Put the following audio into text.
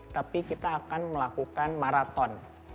tapi kita akan melakukan maraton